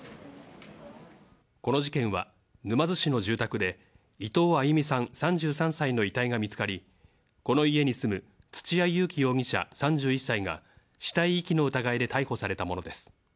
この事件は、沼津市の住宅で、伊藤亜佑美さん３３歳の遺体が見つかり、この家に住む土屋勇貴容疑者３１歳が、死体遺棄の疑いで逮捕されたものです。